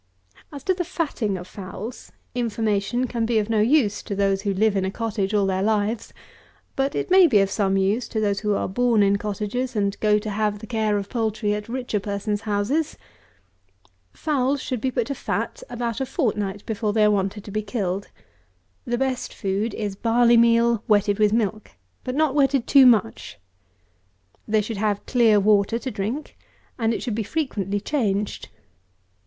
As to the fatting of fowls, information can be of no use to those who live in a cottage all their lives; but it may be of some use to those who are born in cottages, and go to have the care of poultry at richer persons' houses. Fowls should be put to fat about a fortnight before they are wanted to be killed. The best food is barley meal wetted with milk, but not wetted too much. They should have clear water to drink, and it should be frequently changed.